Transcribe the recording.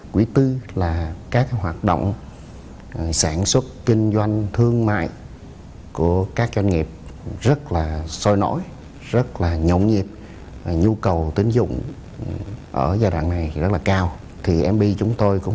chúng ta thấy là thành phố hồ chí minh luôn là một cái trung tâm tài chính của cả nước và nơi mà tập trung rất là nhiều doanh nghiệp